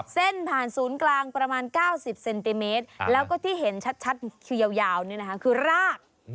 เส้นผ่านศูนย์กลางประมาณ๙๐เซนติเมตรแล้วก็ที่เห็นชัดยาวนี่นะคะคือราก